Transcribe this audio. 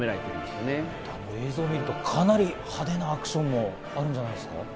映像を見るとかなり派手なアクションがあるんじゃないですか？